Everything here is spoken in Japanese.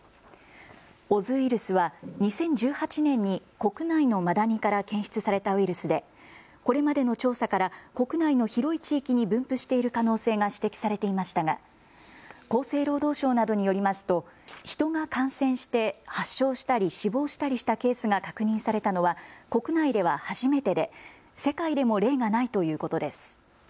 オズウイルスは２０１８年に国内のマダニから検出されたウイルスでこれまでの調査から国内の広い地域に分布している可能性が指摘されていましたが厚生労働省などによりますと人が感染して発症したり死亡したりしたケースが確認されたのは国内では初めてで世界でも例がないということです。